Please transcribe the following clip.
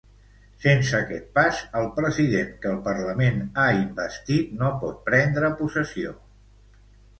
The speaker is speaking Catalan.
Sense aquest pas el president que el Parlament ha investit no pot prendre possessió.